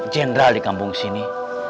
jendral di kampung sini